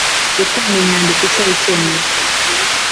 Gutanga inyandiko isaba icyemezo